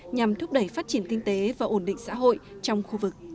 nhằm thúc đẩy phát triển kinh tế và ổn định xã hội trong khu vực